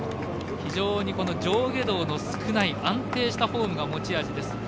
非常に上下動の少ない安定したフォームが持ち味です。